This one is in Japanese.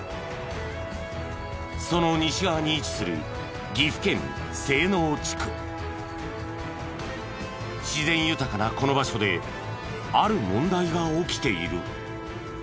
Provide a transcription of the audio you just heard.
その西側に位置する岐阜県自然豊かなこの場所である問題が起きている。